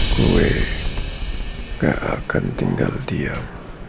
gue gak akan tinggal diam